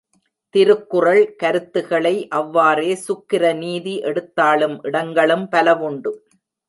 திருக்குறள் கருத்துக்களை அவ்வாறே சுக்கிரநீதி எடுத்தாளும் இடங்களும் பலவுண்டு.